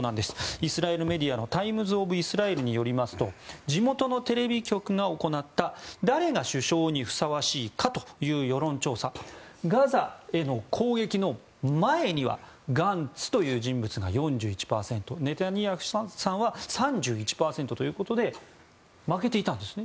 イスラエルメディアのタイムズ・オブ・イスラエルによりますと地元のテレビ局が行った誰が首相にふさわしいかという世論調査ガザへの攻撃の前にはガンツという人物が４１％ネタニヤフさんは３１％ということで負けていたんですね。